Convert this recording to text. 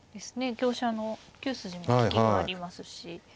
香車の９筋の利きがありますし。